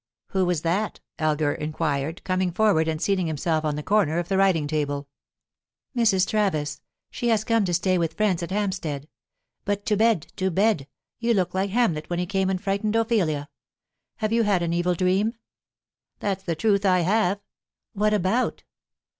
"Who was that?" Elgar inquired, coming forward and seating himself on the corner of the writing table. "Mrs. Travis. She has come to stay with friends at Hampstead. But to bed, to bed! You look like Hamlet when he came and frightened Ophelia. Have you had an evil dream?" "That's the truth; I have." "What about?"